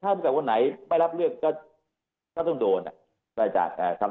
ถ้าหลุดกับคนไหนไม่รับเรื่องก็ก็ต้องโดนโดยอจารย์อ่ะสำไม